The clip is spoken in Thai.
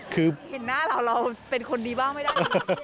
คือเห็นหน้าเราเราเป็นคนดีบ้างไม่ได้